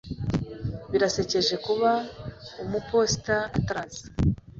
Birasekeje kuba umuposita ataraza.